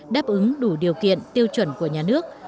đáp ứng đủ điều kiện tiêu chuẩn của nhà nước